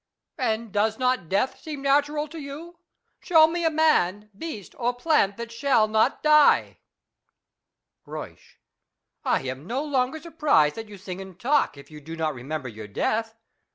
And does not death seem natural to you ? Show me a man, beast, or plant that shall not die. Euysch. I am no longer surprised that you sing and talk, if you do not remember your death.